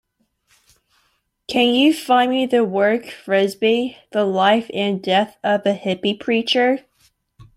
Can you find me the work, Frisbee: The Life and Death of a Hippie Preacher?